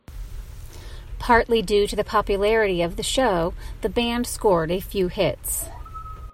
Partly due to the popularity of the show, the band scored a few hits.